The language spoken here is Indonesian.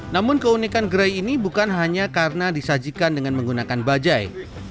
namun keunikan gerai ini bukan hanya karena disajikan dengan menggunakan bajai